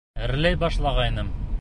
Әрләй башлағайным...